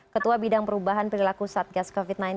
ketua bidang perubahan perilaku satgas covid sembilan belas